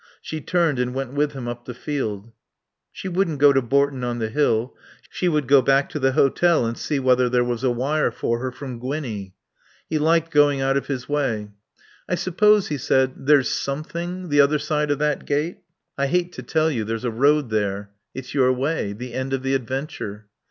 She turned and went with him up the field. She wouldn't go to Bourton on the Hill. She would go back to the hotel and see whether there was a wire for her from Gwinnie.... He liked going out of his way. "I suppose," he said, "there's something the other side of that gate." "I hate to tell you. There's a road there. It's your way. The end of the adventure."